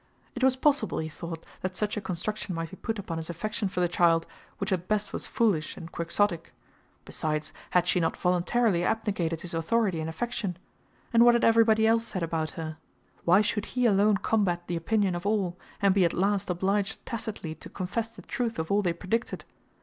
It was possible, he thought, that such a construction might be put upon his affection for the child, which at best was foolish and Quixotic. Besides, had she not voluntarily abnegated his authority and affection? And what had everybody else said about her? Why should he alone combat the opinion of all, and be at last obliged tacitly to confess the truth of all they predicted?